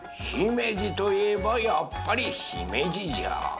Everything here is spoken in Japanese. ひめじといえばやっぱりひめじじょう。